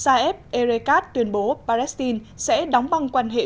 chúc các thầy cô mạnh khỏe hạnh phúc hạnh phúc